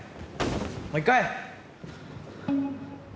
もう一回。